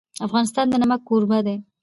افغانستان د نمک کوربه دی.